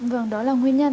vâng đó là nguyên nhân